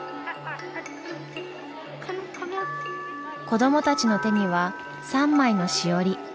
子どもたちの手には３枚のしおり。